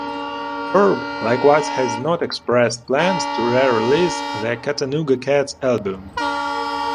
Curb likewise has not expressed plans to re-release the "Cattanooga Cats" album.